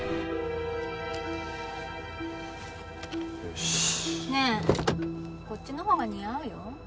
よしねえこっちのほうが似合うよ